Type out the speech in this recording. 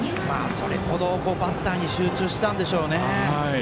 それほどバッターに集中していたんでしょうね。